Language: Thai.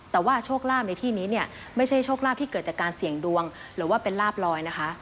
แต่ว่าโชคลาภในที่นี้เนี่ยไม่ใช่โชคลาภที่เกิดจากการเสี่ยงดวงหรือว่าเป็นลาบลอยนะคะ